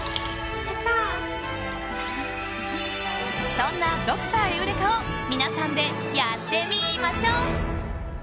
そんなドクターエウレカを皆さんでやってみましょ！